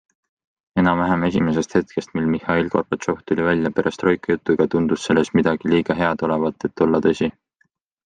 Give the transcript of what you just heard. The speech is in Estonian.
Enam-vähem esimesest hetkest, mil Mihhail Gorbatšov tuli välja perestroika jutuga, tundus selles midagi liiga head olevat, et olla tõsi.